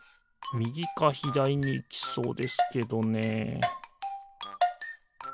みぎかひだりにいきそうですけどね